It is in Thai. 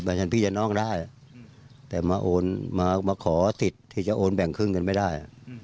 แบบฉันพี่จะน้องได้แต่มาโอนมาขอสิทธิ์ที่จะโอนแบ่งขึ้นกันไม่ได้